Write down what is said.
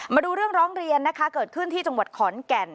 มาดูเรื่องร้องเรียนนะคะเกิดขึ้นที่จังหวัดขอนแก่น